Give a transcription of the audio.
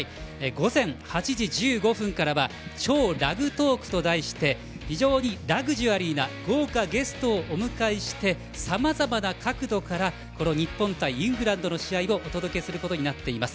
午前８時１５分からは「＃超ラグトーク」と題して非常にラグジュアリーな豪華ゲストをお迎えしてさまざまな角度から日本対イングランドの試合をお届けすることになっています。